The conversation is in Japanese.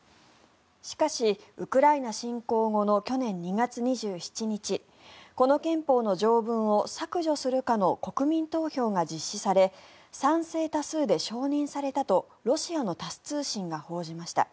しかし、ウクライナ侵攻後の去年２月２７日この憲法の条文を削除するかの国民投票が実施され賛成多数で承認されたとロシアのタス通信が報じました。